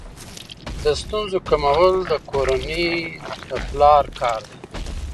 د ستونزو کمول د کورنۍ د پلار کار دی.